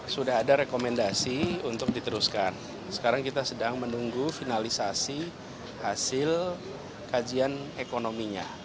sudah ada rekomendasi untuk diteruskan sekarang kita sedang menunggu finalisasi hasil kajian ekonominya